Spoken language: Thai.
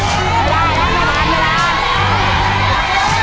เติมได้เอามา